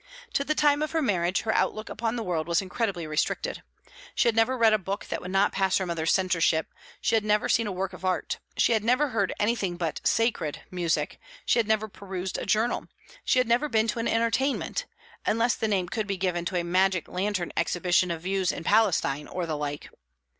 To the time of her marriage, her outlook upon the world was incredibly restricted. She had never read a book that would not pass her mother's censorship; she had never seen a work of art; she had never heard any but "sacred" music; she had never perused a journal; she had never been to an entertainment unless the name could be given to a magic lantern exhibition of views in Palestine, or the like.